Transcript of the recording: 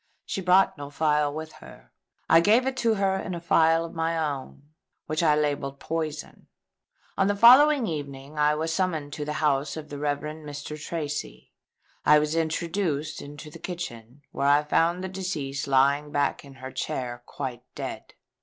She brought no phial with her. I gave it to her in a phial of my own, which I labelled Poison. On the following evening I was summoned to the house of the Rev. Mr. Tracy. I was introduced into the kitchen, where I found the deceased lying back in her chair quite dead.